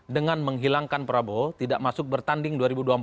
dengan menghilangkan prabowo tidak masuk bertanding dua ribu dua puluh empat